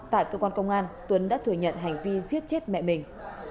tại cơ quan công an tuấn đã thừa nhận hành vi giết chết mẹ mình